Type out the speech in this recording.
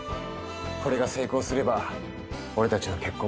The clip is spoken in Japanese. これが成功すれば俺たちの結婚も。